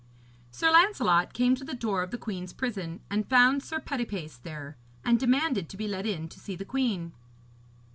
Sir Lancelot came to the door of the queen's prison, and found Sir Petipace there, and demanded to be let in to see the queen.